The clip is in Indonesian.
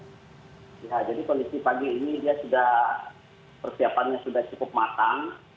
ya jadi kondisi pagi ini dia sudah persiapannya sudah cukup matang